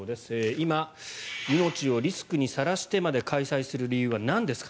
今、命をリスクにさらしてまで開催する理由はなんですか。